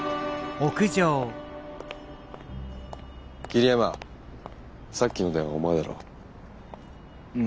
桐山さっきの電話お前だろ？